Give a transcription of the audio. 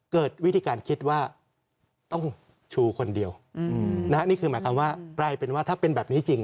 เกิดวิธีการคิดว่าต้องชูคนเดียวหมายความว่าถ้าเป็นแบบนี้จริง